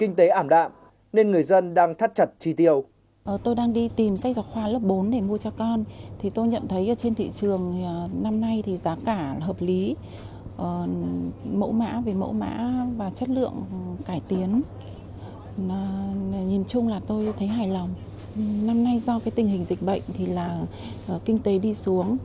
năm nay do cái tình hình dịch bệnh thì là kinh tế đi xuống